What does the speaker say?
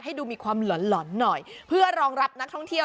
ให้ดูมีความหลอนหน่อยเพื่อรองรับนักท่องเที่ยว